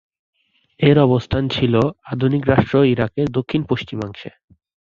এর অবস্থান ছিল আধুনিক রাষ্ট্র ইরাক এর দক্ষিণ-পশ্চিমাংশে।